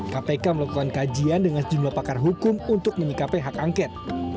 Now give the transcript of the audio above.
kpk melakukan kajian dengan sejumlah pakar hukum untuk menyikapi hak angket